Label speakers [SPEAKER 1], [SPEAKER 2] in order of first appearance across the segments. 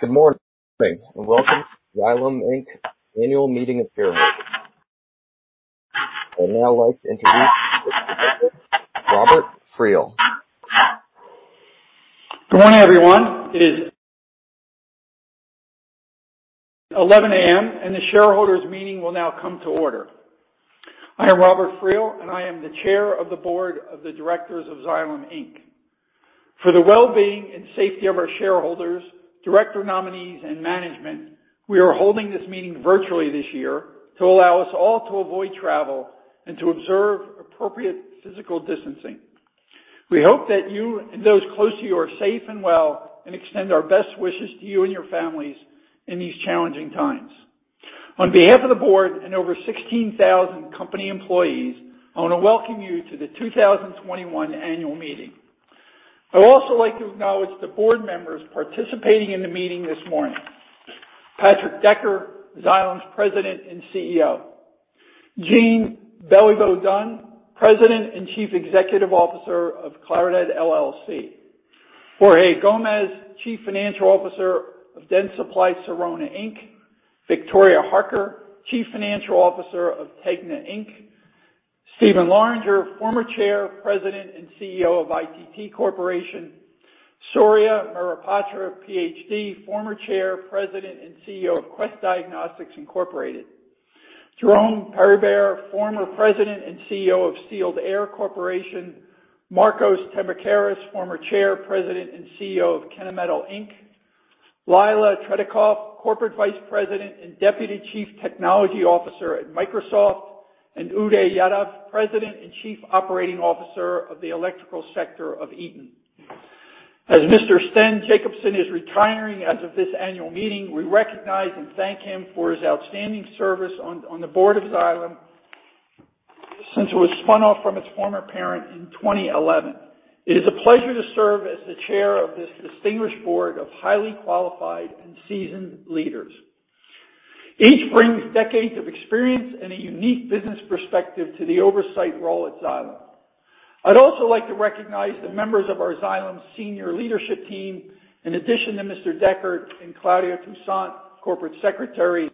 [SPEAKER 1] Good morning, welcome to Xylem Inc.'s Annual Meeting of Shareholders. I would now like to introduce Mr. Robert Friel.
[SPEAKER 2] Good morning, everyone. It is 11:00 A.M. The shareholders' meeting will now come to order. I am Robert Friel, and I am the Chair of the Board of Directors of Xylem Inc. For the well-being and safety of our shareholders, director nominees, and management, we are holding this meeting virtually this year to allow us all to avoid travel and to observe appropriate physical distancing. We hope that you and those close to you are safe and well and extend our best wishes to you and your families in these challenging times. On behalf of the board and over 16,000 company employees, I want to welcome you to the 2021 Annual Meeting. I would also like to acknowledge the board members participating in the meeting this morning. Patrick Decker, Xylem's President and CEO. Jeanne Beliveau-Dunn, President and Chief Executive Officer of Claridad LLC. Jorge Gomez, Chief Financial Officer of Dentsply Sirona Inc. Victoria Harker, Chief Financial Officer of TEGNA Inc. Steven Loranger, former Chair, President, and CEO of ITT Corporation. Surya Mohapatra, PhD, former Chair, President, and CEO of Quest Diagnostics Incorporated. Jerome Peribere, former President and CEO of Sealed Air Corporation. Markos Tambakeras, former Chair, President and CEO of Kennametal Inc. Lila Tretikov, Corporate Vice President and Deputy Chief Technology Officer at Microsoft, and Uday Yadav, President and Chief Operating Officer of the electrical sector of Eaton. As Mr. Sten Jakobsson is retiring as of this annual meeting, we recognize and thank him for his outstanding service on the board of Xylem since it was spun off from its former parent in 2011. It is a pleasure to serve as the Chair of this distinguished board of highly qualified and seasoned leaders. Each brings decades of experience and a unique business perspective to the oversight role at Xylem. I'd also like to recognize the members of our Xylem senior leadership team, in addition to Mr. Decker and Claudia Toussaint, Corporate Secretary,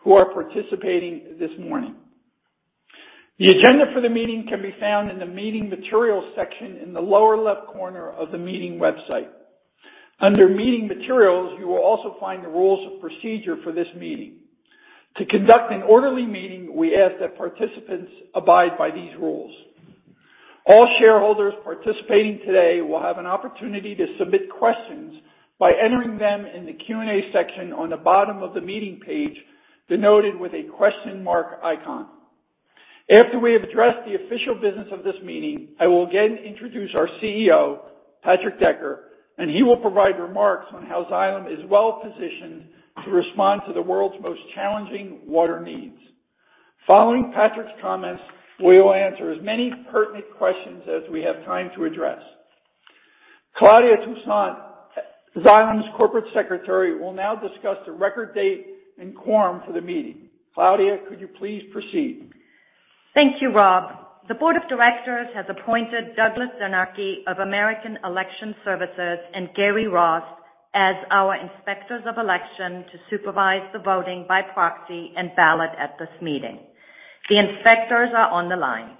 [SPEAKER 2] who are participating this morning. The agenda for the meeting can be found in the Meeting Materials section in the lower left corner of the meeting website. Under Meeting Materials, you will also find the rules of procedure for this meeting. To conduct an orderly meeting, we ask that participants abide by these rules. All shareholders participating today will have an opportunity to submit questions by entering them in the Q&A section on the bottom of the meeting page, denoted with a question mark icon. After we have addressed the official business of this meeting, I will again introduce our CEO, Patrick Decker, and he will provide remarks on how Xylem is well-positioned to respond to the world's most challenging water needs. Following Patrick's comments, we will answer as many pertinent questions as we have time to address. Claudia Toussaint, Xylem's Corporate Secretary, will now discuss the record date and quorum for the meeting. Claudia, could you please proceed?
[SPEAKER 3] Thank you, Rob. The Board of Directors has appointed Douglas Czarnecki of American Election Services and Gary Ross as our Inspectors of Election to supervise the voting by proxy and ballot at this meeting. The inspectors are on the line.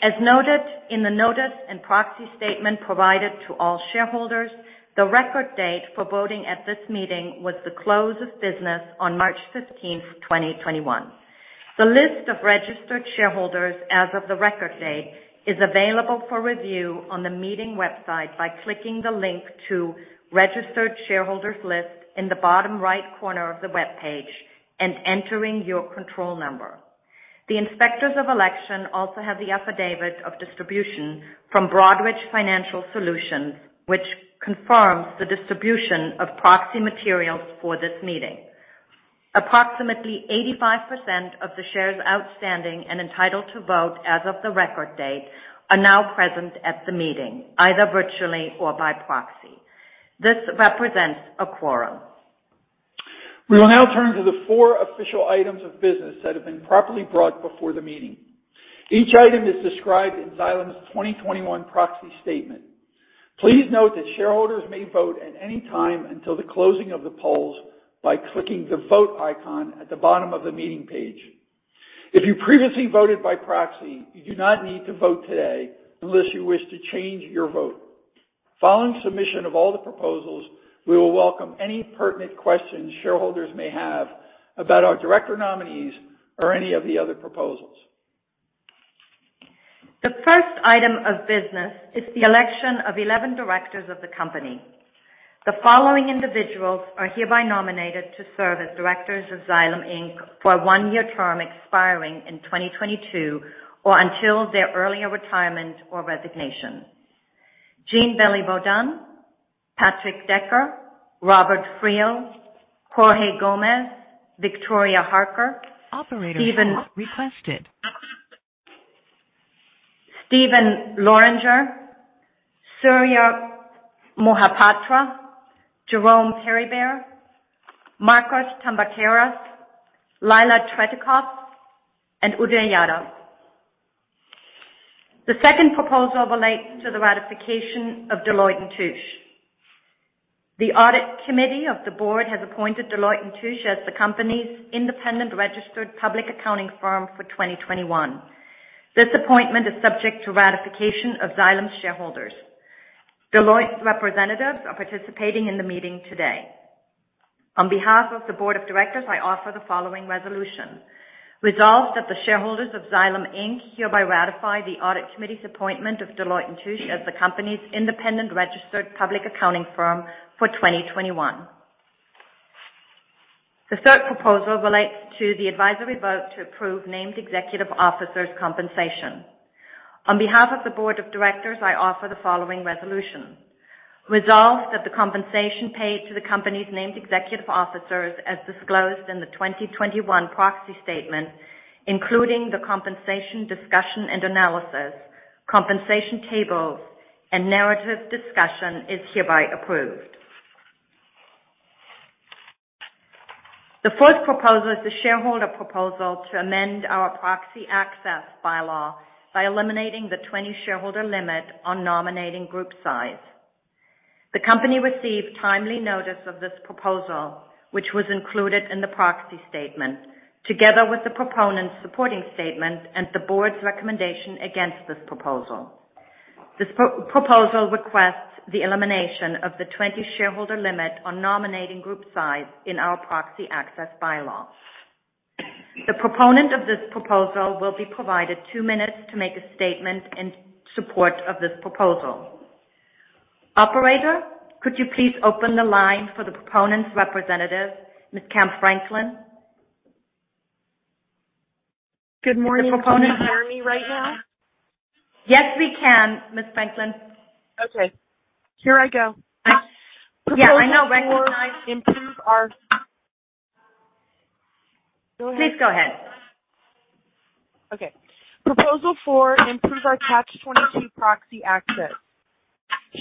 [SPEAKER 3] As noted in the notice and proxy statement provided to all shareholders, the record date for voting at this meeting was the close of business on March 15th, 2021. The list of registered shareholders as of the record date is available for review on the meeting website by clicking the link to Registered Shareholders List in the bottom right corner of the webpage and entering your control number. The Inspectors of Election also have the affidavit of distribution from Broadridge Financial Solutions, which confirms the distribution of proxy materials for this meeting. Approximately 85% of the shares outstanding and entitled to vote as of the record date are now present at the meeting, either virtually or by proxy. This represents a quorum.
[SPEAKER 2] We will now turn to the four official items of business that have been properly brought before the meeting. Each item is described in Xylem's 2021 proxy statement. Please note that shareholders may vote at any time until the closing of the polls by clicking the Vote icon at the bottom of the meeting page. If you previously voted by proxy, you do not need to vote today unless you wish to change your vote. Following submission of all the proposals, we will welcome any pertinent questions shareholders may have about our director nominees or any of the other proposals.
[SPEAKER 3] The first item of business is the election of 11 directors of the company. The following individuals are hereby nominated to serve as directors of Xylem Inc. for a one-year term expiring in 2022, or until their earlier retirement or resignation. Jeanne Beliveau-Dunn, Patrick Decker, Robert Friel, Jorge Gomez, Victoria Harker.
[SPEAKER 1] Operator, request it.
[SPEAKER 3] Steven Loranger, Surya Mohapatra, Jerome Peribere, Markos Tambakeras, Lila Tretikov, and Uday Yadav. The second proposal relates to the ratification of Deloitte & Touche. The Audit Committee of the Board has appointed Deloitte & Touche as the company's independent registered public accounting firm for 2021. This appointment is subject to ratification of Xylem shareholders. Deloitte's representatives are participating in the meeting today. On behalf of the Board of Directors, I offer the following resolution. Resolved, that the shareholders of Xylem Inc. hereby ratify the Audit Committee's appointment of Deloitte & Touche as the company's independent registered public accounting firm for 2021. The third proposal relates to the advisory vote to approve Named Executive Officers' compensation. On behalf of the Board of Directors, I offer the following resolution. Resolved, that the compensation paid to the company's named executive officers as disclosed in the 2021 proxy statement, including the compensation discussion and analysis, compensation tables, and narrative discussion, is hereby approved. The fourth proposal is the shareholder proposal to amend our proxy access bylaw by eliminating the 20-shareholder limit on nominating group size. The company received timely notice of this proposal, which was included in the proxy statement, together with the proponent's supporting statement and the board's recommendation against this proposal. This proposal requests the elimination of the 20-shareholder limit on nominating group size in our proxy access bylaw. The proponent of this proposal will be provided two minutes to make a statement in support of this proposal. Operator, could you please open the line for the proponent's representative, Ms. Cam Franklin?
[SPEAKER 4] Good morning. Can you hear me right now?
[SPEAKER 3] Yes, we can, Ms. Franklin.
[SPEAKER 4] Okay. Here I go.
[SPEAKER 3] Yeah.
[SPEAKER 4] Proposal four, improve our Go ahead.
[SPEAKER 3] Please go ahead.
[SPEAKER 4] Okay. Proposal four, improve our Catch-22 proxy access.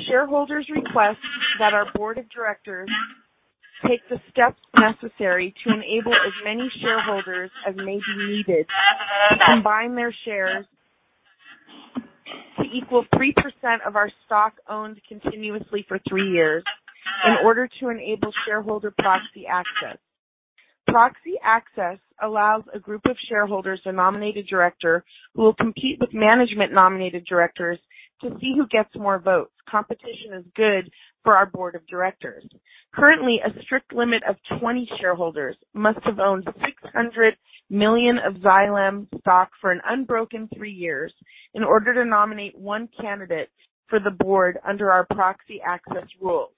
[SPEAKER 4] Shareholders request that our Board of Directors take the steps necessary to enable as many shareholders as may be needed to combine their shares to equal 3% of our stock owned continuously for three years in order to enable shareholder proxy access. Proxy access allows a group of shareholders a nominated director who will compete with management-nominated directors to see who gets more votes. Competition is good for our Board of Directors. Currently, a strict limit of 20 shareholders must have owned 600 million of Xylem stock for an unbroken three years in order to nominate one candidate for the board under our proxy access rules.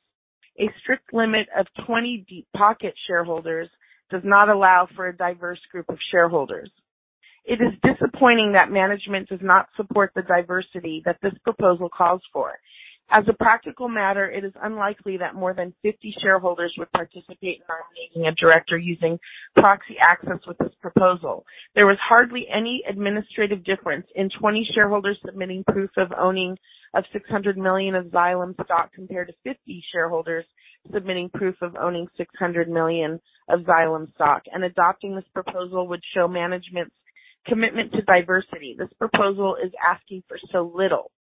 [SPEAKER 4] A strict limit of 20 deep-pocket shareholders does not allow for a diverse group of shareholders. It is disappointing that management does not support the diversity that this proposal calls for. As a practical matter, it is unlikely that more than 50 shareholders would participate in nominating a director using proxy access with this proposal. There was hardly any administrative difference in 20 shareholders submitting proof of owning of $600 million of Xylem stock compared to 50 shareholders submitting proof of owning $600 million of Xylem stock. Adopting this proposal would show management's commitment to diversity. This proposal is asking for so little.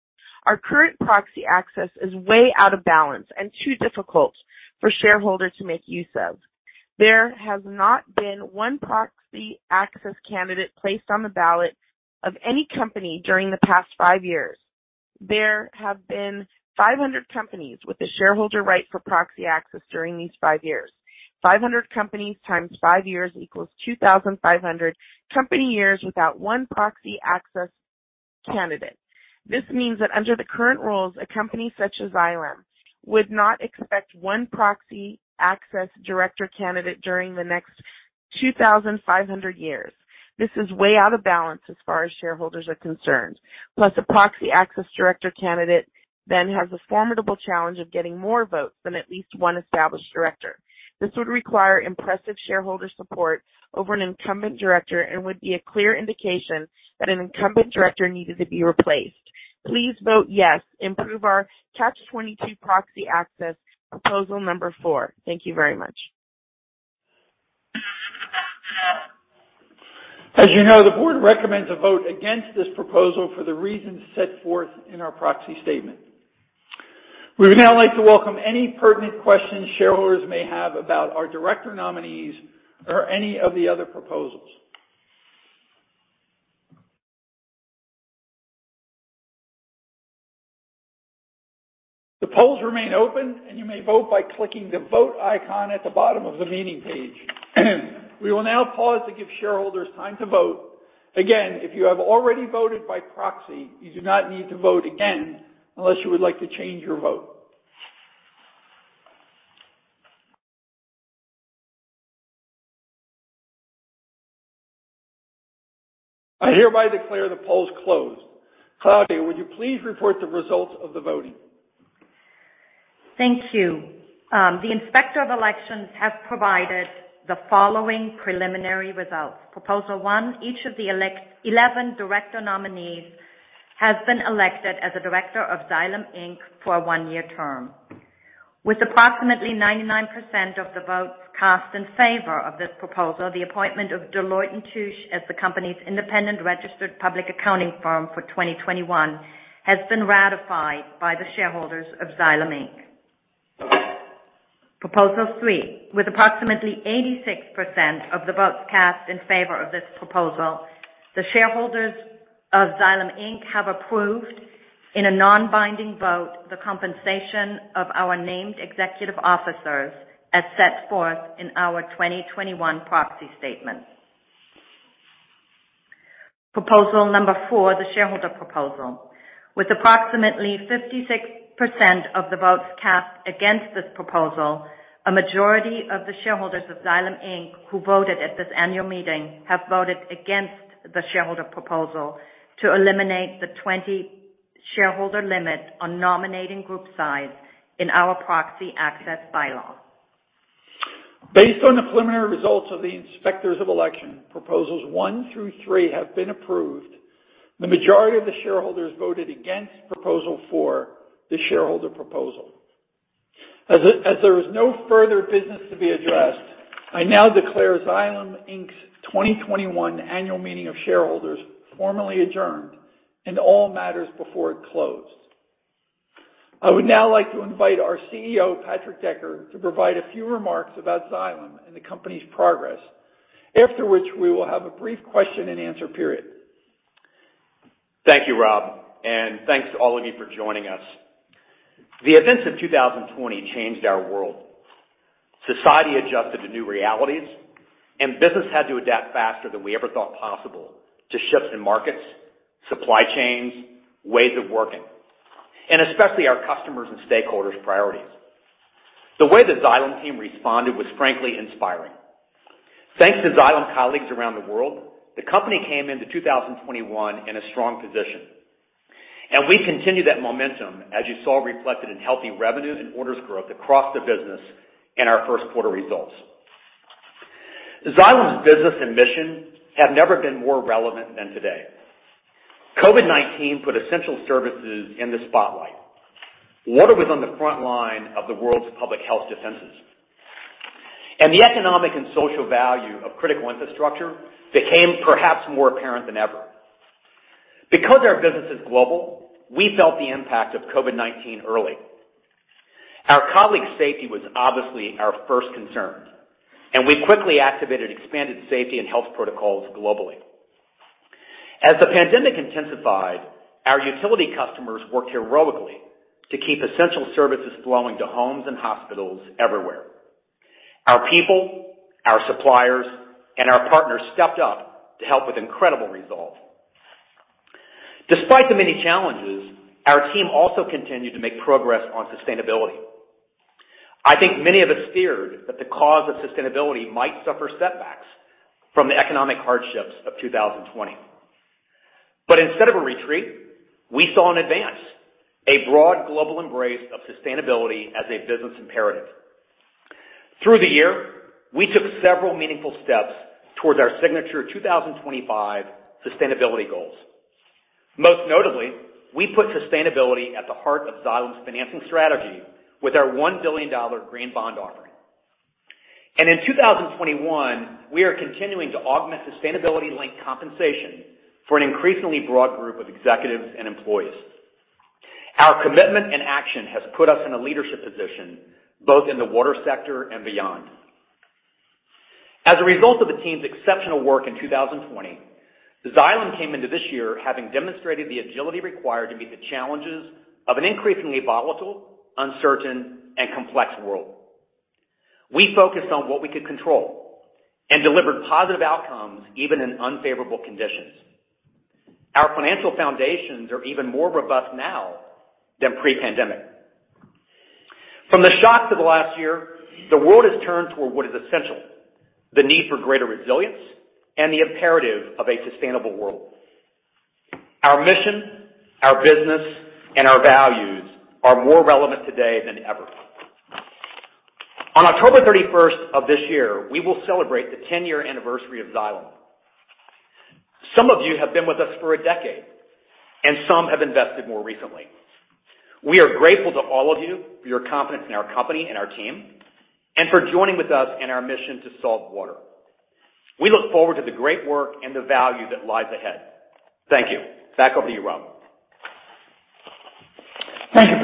[SPEAKER 4] Our current proxy access is way out of balance and too difficult for shareholders to make use of. There has not been one proxy access candidate placed on the ballot of any company during the past five years. There have been 500 companies with a shareholder right for proxy access during these five years. 500 companies times five years equals 2,500 company years without one proxy access candidate. This means that under the current rules, a company such as Xylem would not expect one proxy access director candidate during the next 2,500 years. This is way out of balance as far as shareholders are concerned. Plus, a proxy access director candidate then has the formidable challenge of getting more votes than at least one established director. This would require impressive shareholder support over an incumbent director and would be a clear indication that an incumbent director needed to be replaced. Please vote yes. Improve our Catch-22 proxy access, proposal number four. Thank you very much.
[SPEAKER 2] As you know, the board recommends a vote against this proposal for the reasons set forth in our proxy statement. We would now like to welcome any pertinent questions shareholders may have about our director nominees or any of the other proposals. The polls remain open, and you may vote by clicking the Vote icon at the bottom of the meeting page. We will now pause to give shareholders time to vote. Again, if you have already voted by proxy, you do not need to vote again unless you would like to change your vote. I hereby declare the polls closed. Claudia, would you please report the results of the voting?
[SPEAKER 3] Thank you. The Inspector of Elections has provided the following preliminary results. Proposal 1, each of the 11 director nominees has been elected as a director of Xylem Inc. for a one-year term. With approximately 99% of the votes cast in favor of this proposal, the appointment of Deloitte & Touche as the company's independent registered public accounting firm for 2021 has been ratified by the shareholders of Xylem Inc. Proposal 3, with approximately 86% of the votes cast in favor of this proposal, the shareholders of Xylem Inc. have approved, in a non-binding vote, the compensation of our Named Executive Officers as set forth in our 2021 proxy statement. Proposal number four, the shareholder proposal. With approximately 56% of the votes cast against this proposal, a majority of the shareholders of Xylem Inc. who voted at this annual meeting have voted against the shareholder proposal to eliminate the 20 shareholder limit on nominating group size in our proxy access bylaws.
[SPEAKER 2] Based on the preliminary results of the Inspectors of Election, proposals 1 through 3 have been approved. The majority of the shareholders voted against proposal 4, the shareholder proposal. As there is no further business to be addressed, I now declare Xylem Inc.'s 2021 Annual Meeting of Shareholders formally adjourned and all matters before it closed. I would now like to invite our CEO, Patrick Decker, to provide a few remarks about Xylem and the company's progress, after which we will have a brief question and answer period.
[SPEAKER 5] Thank you, Rob, and thanks to all of you for joining us. The events of 2020 changed our world. Society adjusted to new realities, and business had to adapt faster than we ever thought possible to shifts in markets, supply chains, ways of working, and especially our customers' and stakeholders' priorities. The way the Xylem team responded was frankly inspiring. Thanks to Xylem colleagues around the world, the company came into 2021 in a strong position. We continue that momentum, as you saw reflected in healthy revenue and orders growth across the business in our first quarter results. Xylem's business and mission have never been more relevant than today. COVID-19 put essential services in the spotlight. Water was on the front line of the world's public health defenses. The economic and social value of critical infrastructure became perhaps more apparent than ever. Because our business is global, we felt the impact of COVID-19 early. Our colleagues' safety was obviously our first concern, and we quickly activated expanded safety and health protocols globally. As the pandemic intensified, our utility customers worked heroically to keep essential services flowing to homes and hospitals everywhere. Our people, our suppliers, and our partners stepped up to help with incredible resolve. Despite the many challenges, our team also continued to make progress on sustainability. I think many of us feared that the cause of sustainability might suffer setbacks from the economic hardships of 2020. Instead of a retreat, we saw an advance, a broad global embrace of sustainability as a business imperative. Through the year, we took several meaningful steps towards our signature 2025 Sustainability Goals. Most notably, we put sustainability at the heart of Xylem's financing strategy with our $1 billion green bond offering. In 2021, we are continuing to augment sustainability-linked compensation for an increasingly broad group of executives and employees. Our commitment and action has put us in a leadership position both in the water sector and beyond. As a result of the team's exceptional work in 2020, Xylem came into this year having demonstrated the agility required to meet the challenges of an increasingly volatile, uncertain, and complex world. We focused on what we could control and delivered positive outcomes, even in unfavorable conditions. Our financial foundations are even more robust now than pre-pandemic. From the shocks of the last year, the world has turned toward what is essential, the need for greater resilience, and the imperative of a sustainable world. Our mission, our business, and our values are more relevant today than ever. On October 31st of this year, we will celebrate the 10-year anniversary of Xylem. Some of you have been with us for a decade, and some have invested more recently. We are grateful to all of you for your confidence in our company and our team, and for joining with us in our mission to solve water. We look forward to the great work and the value that lies ahead. Thank you. Back over to you, Rob.
[SPEAKER 2] Thank you,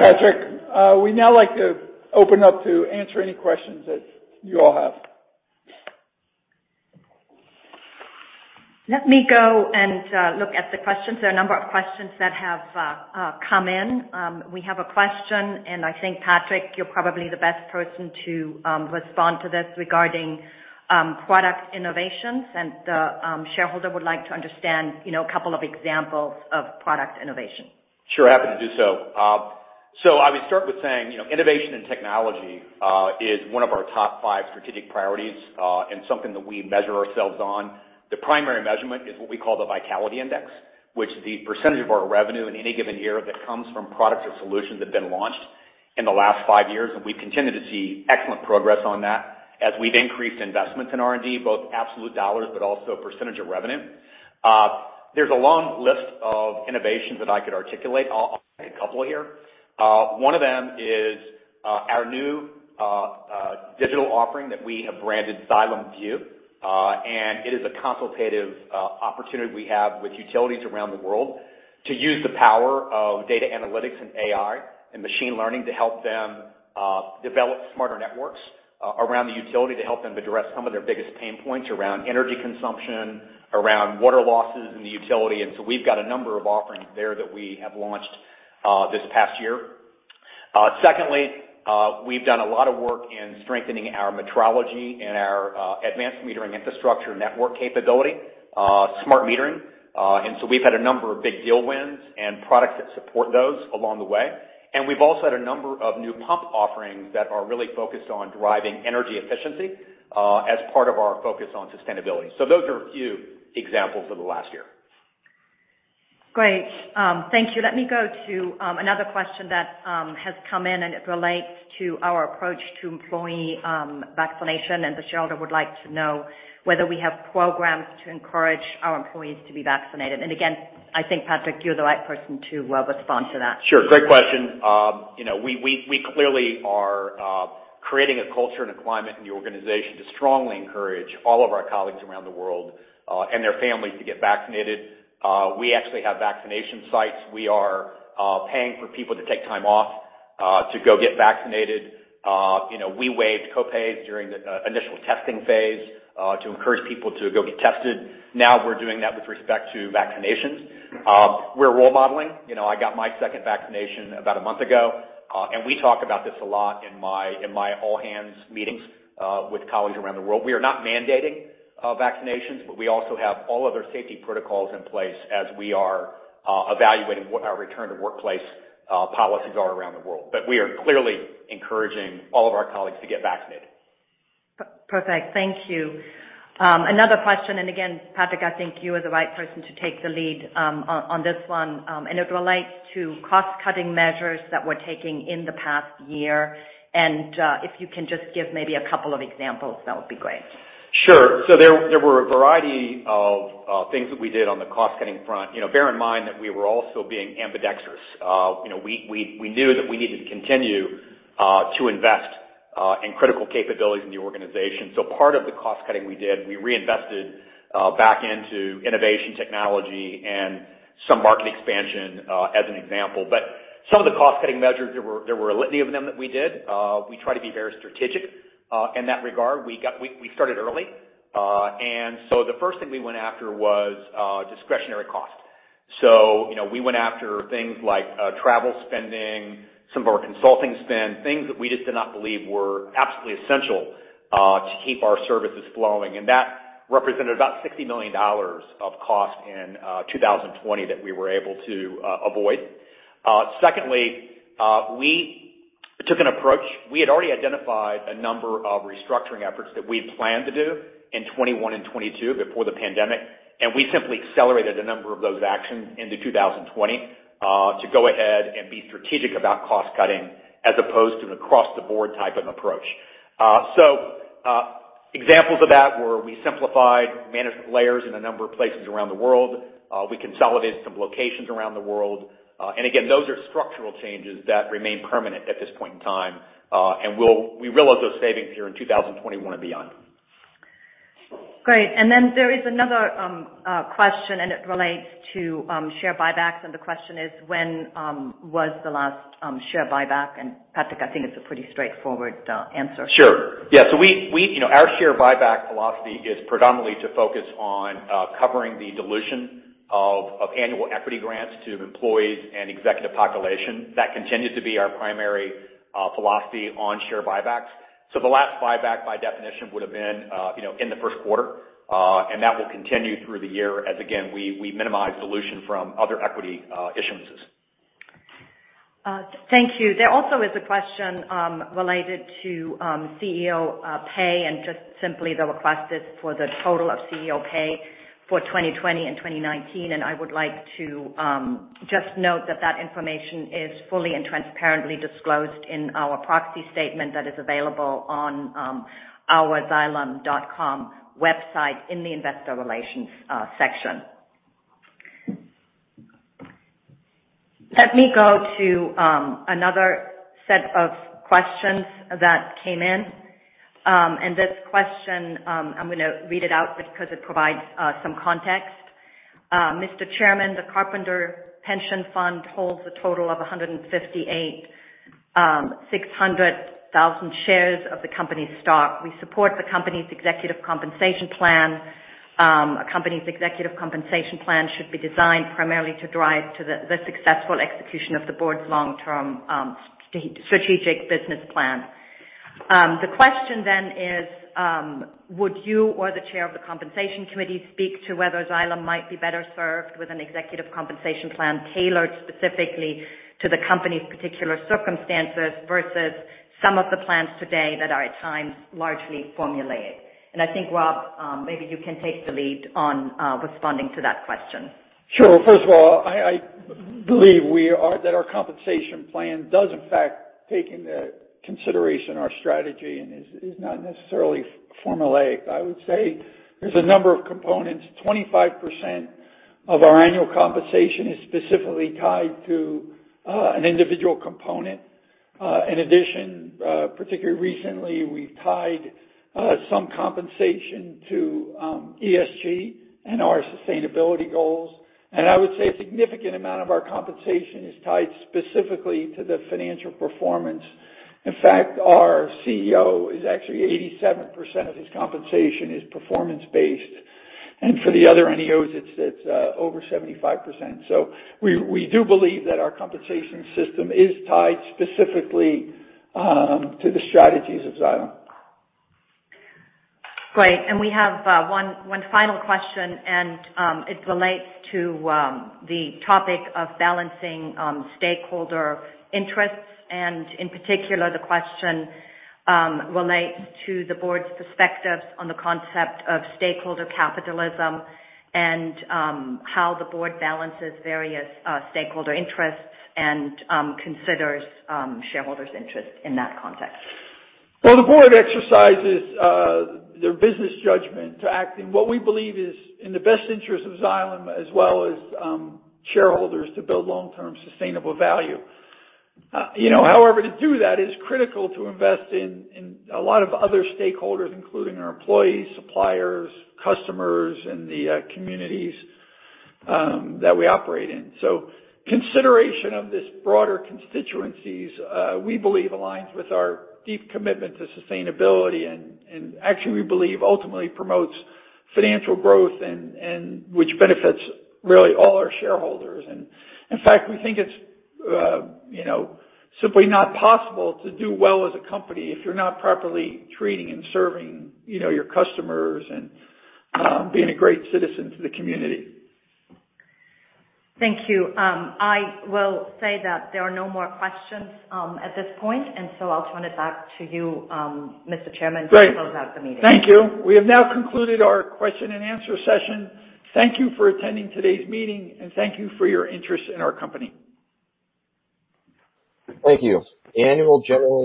[SPEAKER 2] Patrick. We'd now like to open up to answer any questions that you all have.
[SPEAKER 3] Let me go and look at the questions. There are a number of questions that have come in. We have a question, and I think, Patrick, you're probably the best person to respond to this regarding product innovations. The shareholder would like to understand a couple of examples of product innovation.
[SPEAKER 5] Sure. Happy to do so. I would start with saying, innovation and technology is one of our top five strategic priorities and something that we measure ourselves on. The primary measurement is what we call the vitality index, which the percentage of our revenue in any given year that comes from products or solutions that have been launched in the last five years, and we continue to see excellent progress on that as we've increased investments in R&D, both absolute dollars but also percentage of revenue. There's a long list of innovations that I could articulate. I'll name a couple here. One of them is our new digital offering that we have branded Xylem Vue. It is a consultative opportunity we have with utilities around the world to use the power of data analytics and AI and machine learning to help them develop smarter networks around the utility to help them address some of their biggest pain points around energy consumption, around water losses in the utility. We've got a number of offerings there that we have launched this past year. Secondly, we've done a lot of work in strengthening our metrology and our advanced metering infrastructure network capability, smart metering. We've had a number of big deal wins and products that support those along the way. We've also had a number of new pump offerings that are really focused on driving energy efficiency as part of our focus on sustainability. Those are a few examples of the last year.
[SPEAKER 3] Great. Thank you. Let me go to another question that has come in, and it relates to our approach to employee vaccination. This shareholder would like to know whether we have programs to encourage our employees to be vaccinated. Again, I think, Patrick, you're the right person to respond to that.
[SPEAKER 5] Sure. Great question. We clearly are creating a culture and a climate in the organization to strongly encourage all of our colleagues around the world, and their families to get vaccinated. We actually have vaccination sites. We are paying for people to take time off to go get vaccinated. We waived copays during the initial testing phase to encourage people to go get tested. Now we're doing that with respect to vaccinations. We're role modeling. I got my second vaccination about a month ago, and we talk about this a lot in my all-hands meetings with colleagues around the world. We are not mandating vaccinations, but we also have all other safety protocols in place as we are evaluating what our return-to-workplace policies are around the world. We are clearly encouraging all of our colleagues to get vaccinated.
[SPEAKER 3] Perfect. Thank you. Another question. Again, Patrick, I think you are the right person to take the lead on this one. It relates to cost-cutting measures that we're taking in the past year. If you can just give maybe a couple of examples, that would be great.
[SPEAKER 5] Sure. There were a variety of things that we did on the cost-cutting front. Bear in mind that we were also being ambidextrous. We knew that we needed to continue to invest in critical capabilities in the organization. Part of the cost cutting we did, we reinvested back into innovation technology and some market expansion as an example. Some of the cost-cutting measures, there were a litany of them that we did. We try to be very strategic in that regard. We started early. The first thing we went after was discretionary cost. We went after things like travel spending, some of our consulting spend, things that we just did not believe were absolutely essential to keep our services flowing. That represented about $60 million of cost in 2020 that we were able to avoid. Secondly, we took an approach. We had already identified a number of restructuring efforts that we had planned to do in 2021 and 2022 before the pandemic. We simply accelerated a number of those actions into 2020 to go ahead and be strategic about cost cutting as opposed to an across-the-board type of approach. Examples of that were we simplified management layers in a number of places around the world. We consolidated some locations around the world. Again, those are structural changes that remain permanent at this point in time. We realize those savings here in 2021 and beyond.
[SPEAKER 3] Great. There is another question, and it relates to share buybacks, the question is: When was the last share buyback? Patrick, I think it's a pretty straightforward answer.
[SPEAKER 5] Sure. Yeah. Our share buyback philosophy is predominantly to focus on covering the dilution of annual equity grants to employees and executive population. That continues to be our primary philosophy on share buybacks. The last buyback by definition would've been in the first quarter, and that will continue through the year as, again, we minimize dilution from other equity issuances.
[SPEAKER 3] Thank you. There also is a question related to CEO pay, and just simply the request is for the total of CEO pay for 2020 and 2019, and I would like to just note that that information is fully and transparently disclosed in our proxy statement that is available on our xylem.com website in the investor relations section. Let me go to another set of questions that came in. This question, I'm going to read it out just because it provides some context. Mr. Chairman, the Carpenters Pension Fund holds a total of 158,600 shares of the company's stock. We support the company's executive compensation plan. A company's executive compensation plan should be designed primarily to drive to the successful execution of the board's long-term strategic business plan. The question then is: Would you or the chair of the compensation committee speak to whether Xylem might be better served with an executive compensation plan tailored specifically to the company's particular circumstances versus some of the plans today that are at times largely formulated? I think, Rob, maybe you can take the lead on responding to that question.
[SPEAKER 2] Sure. First of all, I believe that our compensation plan does in fact take into consideration our strategy and is not necessarily formulaic. I would say there's a number of components. 25% of our annual compensation is specifically tied to an individual component. In addition, particularly recently, we've tied some compensation to ESG and our sustainability goals. I would say a significant amount of our compensation is tied specifically to the financial performance. In fact, our CEO is actually 87% of his compensation is performance-based, and for the other NEOs, it's over 75%. We do believe that our compensation system is tied specifically to the strategies of Xylem.
[SPEAKER 3] Great. We have one final question, and it relates to the topic of balancing stakeholder interests, and in particular, the question relates to the board's perspective on the concept of stakeholder capitalism and how the board balances various stakeholder interests and considers shareholders' interests in that context.
[SPEAKER 2] The board exercises their business judgment to act in what we believe is in the best interest of Xylem as well as shareholders to build long-term sustainable value. However, to do that is critical to invest in a lot of other stakeholders, including our employees, suppliers, customers, and the communities that we operate in. Consideration of this broader constituencies we believe aligns with our deep commitment to sustainability and actually we believe ultimately promotes financial growth which benefits really all our shareholders. In fact, we think it's simply not possible to do well as a company if you're not properly treating and serving your customers and being a great citizen to the community.
[SPEAKER 3] Thank you. I will say that there are no more questions at this point. I'll turn it back to you, Mr. Chairman, to close out the meeting.
[SPEAKER 2] Great. Thank you. We have now concluded our question and answer session. Thank you for attending today's meeting, and thank you for your interest in our company.
[SPEAKER 1] Thank you. The annual general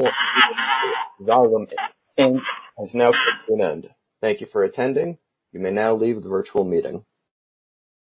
[SPEAKER 1] meeting of Xylem Inc. has now come to an end. Thank you for attending. You may now leave the virtual meeting.